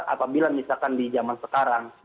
apabila misalkan di zaman sekarang